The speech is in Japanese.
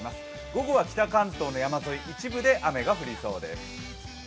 午後は北関東の山沿い、一部で雨が降りそうです。